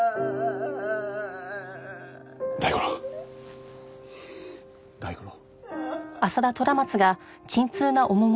大五郎大五郎。